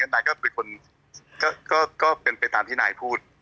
นายก็เป็นไปตามที่นายพูด